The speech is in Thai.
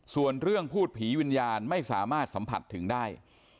ส่วนเรื่องพูดผีวิญญาณไม่สามารถสัมผัสถึงได้